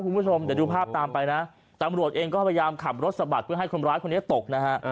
คุณผู้ชมเดี๋ยวดูภาพตามไปนะตำรวจเองก็พยายามขับรถสะบัดเพื่อให้คนร้ายคนนี้ตกนะฮะ